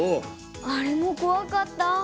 あれもこわかったぁ。